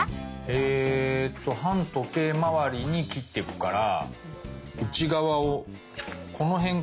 えっと反時計まわりに切ってくから内側をこの辺から。